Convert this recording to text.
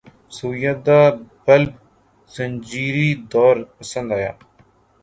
سویدا تا بلب زنجیری دود سپند آیا